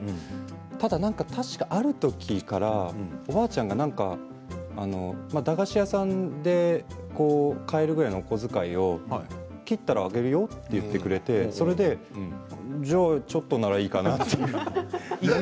ただ確かあるときからおばあちゃんが駄菓子屋さんで買えるぐらいのお小遣いを切ったらあげるよと言ってくれてそれでじゃあちょっとならいいかなって。